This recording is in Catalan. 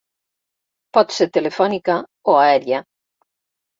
Pot ser telefònica o aèria.